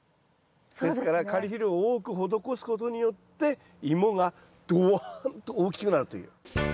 ですからカリ肥料を多く施すことによってイモがどわんと大きくなるという。